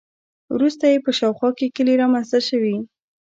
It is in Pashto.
وروسته یې په شاوخوا کې کلي رامنځته شوي.